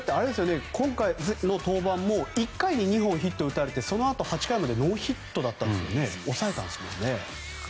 今回の登板も１回に２本のヒットを打たれてそのあと８回までノーヒットに抑えたんですもんね。